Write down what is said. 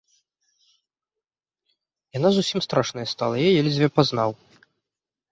Яна зусім страшная стала, я ледзьве пазнаў.